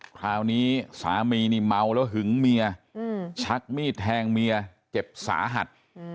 คราวนี้สามีนี่เมาแล้วหึงเมียชักมีดแทงเมียเจ็บสาหัส